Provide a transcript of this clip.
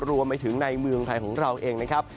รวมไปถึงในเมืองไทยของเราเองนะครับ